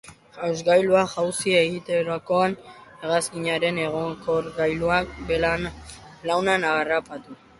Jausgailuan jauzi egiterakoan hegazkinaren egonkorgailuak belauna harrapatu.